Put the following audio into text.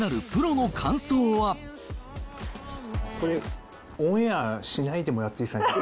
これ、オンエアしないでもらっていいですかね？